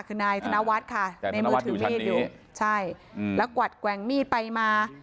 คือนายธนวัฒน์ค่ะในมือถือมีดอยู่ใช่แล้วกวัดแกว่งมีดไปมา